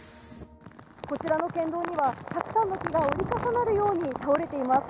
こちらの県道にはたくさんの木が折り重なるように倒れています。